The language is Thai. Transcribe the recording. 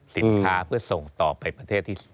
สินค้าเพื่อส่งต่อไปประเทศที่